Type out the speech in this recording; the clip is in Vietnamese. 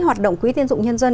hoạt động quỹ tiến dụng nhân dân